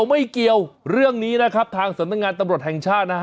ไม่เกี่ยวเรื่องนี้นะครับทางสำนักงานตำรวจแห่งชาตินะฮะ